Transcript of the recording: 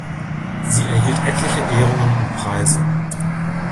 Sie erhielt etliche Ehrungen und Preise.